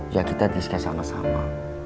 ya kita diskret sama sama